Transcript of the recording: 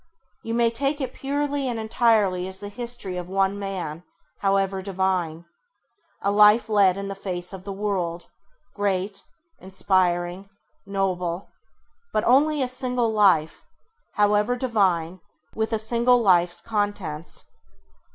You may take it purely and entirely as the history of one Man, however divine. A life led in the face of the world, great, inspiring, noble, but only a single life, however divine, with a single life's contents.